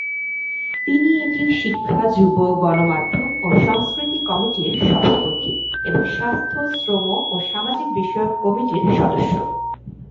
তিনি এটির শিক্ষা, যুব, গণমাধ্যম ও সংস্কৃতি কমিটির সভাপতি এবং স্বাস্থ্য, শ্রম ও সামাজিক বিষয়ক কমিটির সদস্য।